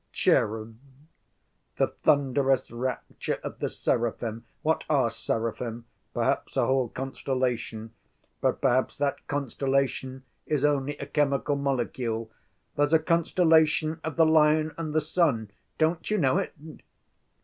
Cherub!... the thunderous rapture of the seraphim. What are seraphim? Perhaps a whole constellation. But perhaps that constellation is only a chemical molecule. There's a constellation of the Lion and the Sun. Don't you know it?"